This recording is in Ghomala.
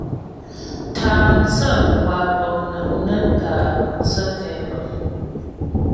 Àvyɔ̌ŋ (musə̀ŋ) kwa pɔ̌mnəŋ nə́ tâ mthə́ kɛbəŋ.